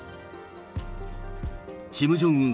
キム・ジョンウン